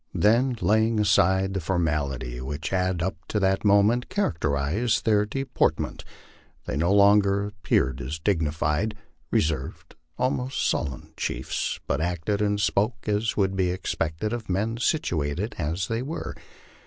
Then laying aside the formality which had up to that mo ment characterized their deportment, they no longer appeared as the dignified, reserved, almost sullen chiefs, but acted and spoke as would be expected of men situated as they were.